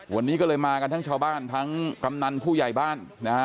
วันนี้ก็เลยมากันทั้งชาวบ้านทั้งกำนันผู้ใหญ่บ้านนะฮะ